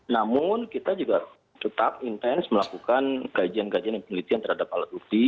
namun kita juga tetap intens melakukan kajian kajian dan penelitian terhadap alat bukti